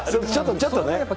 ちょっとね。